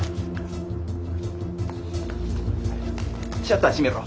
シャッター閉めろ。